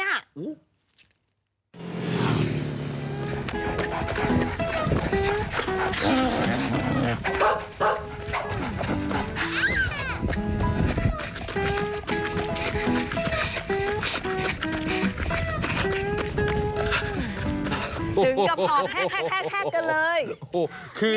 ถึงกับหอมแทกกันเลย